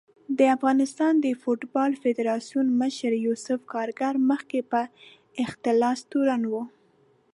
د افغانستان د فوټبال فدارسیون مشر یوسف کارګر مخکې په اختلاس تورن و